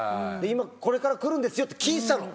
「これから来るんですよ」って聞いてたの。